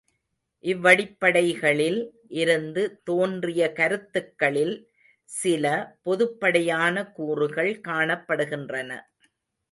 இவ்வடிப்படைகளில் இருந்து தோன்றிய கருத்துக்களில் சில பொதுப்படையான கூறுகள் காணப்படுகின்றன.